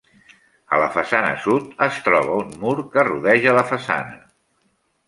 A la façana sud, es troba un mur que rodeja la façana.